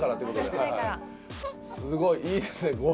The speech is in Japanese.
すごいいいですね。